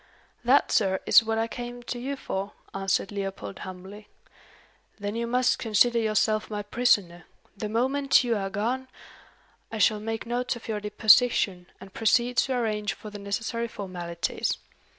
"That, sir, is what I came to you for," answered Leopold, humbly. "Then you must consider yourself my prisoner. The moment you, are gone, I shall make notes of your deposition, and proceed to arrange for the necessary formalities.